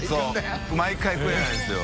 修毎回食えないんですよ。